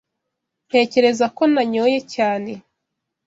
Ntekereza ko nanyoye cyane.